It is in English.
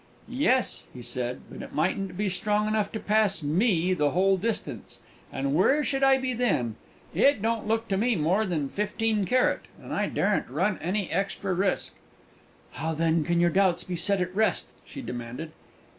"Yes," he said, "but it mightn't be strong enough to pass me the whole distance, and where should I be then? It don't look more to me than 15 carat, and I daren't run any extra risk." "How, then, can your doubts be set at rest?" she demanded.